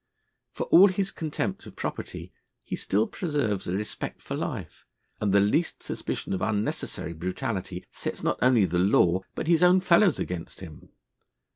For all his contempt of property, he still preserves a respect for life, and the least suspicion of unnecessary brutality sets not only the law but his own fellows against him.